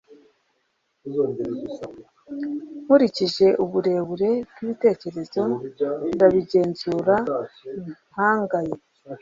Nkurikije uburebure bwibitekerezo ndabigenzura ntangaye